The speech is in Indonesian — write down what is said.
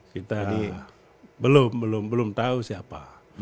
kita belum belum tahu siapa